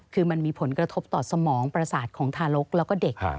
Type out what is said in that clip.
คือมันมีผลกระทบต่อสมองประสาทของทารกแล้วก็เด็ก